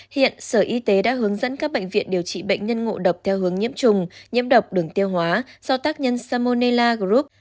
hiện sở y tế đã hướng dẫn các bệnh viện điều trị bệnh nhân ngộ độc theo hướng nhiễm trùng nhiễm độc đường tiêu hóa do tác nhân samonella group